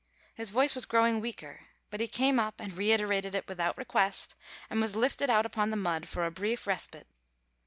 His voice was growing weaker, but he came up and reiterated it without request, and was lifted out upon the mud for a brief respite.